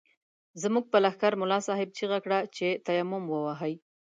زموږ په لښکر ملا صاحب چيغه کړه چې تيمم ووهئ.